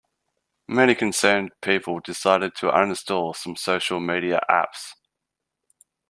Many concerned people decided to uninstall some social media apps.